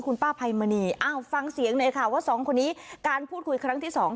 คุณป้าไพมณีอ้าวฟังเสียงหน่อยค่ะว่าสองคนนี้การพูดคุยครั้งที่สอง